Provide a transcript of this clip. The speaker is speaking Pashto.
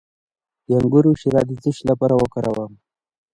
د انګور شیره د څه لپاره وکاروم؟